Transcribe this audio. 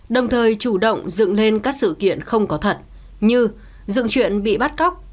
đồng thời chủ động dựng lên các sự kiện không có thật như dựng chuyện bị bắt cóc